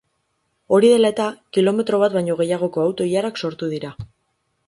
Hori dela eta, kilometro bat baino gehiagoko auto-ilarak sortu dira.